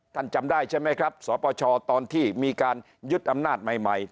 จำได้ใช่ไหมครับสปชตอนที่มีการยึดอำนาจใหม่